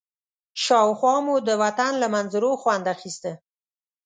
شاوخوا مو د وطن له منظرو خوند اخيسته.